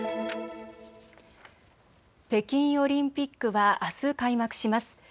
北京オリンピックはあす開幕します。